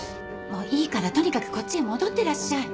もういいからとにかくこっちへ戻ってらっしゃい。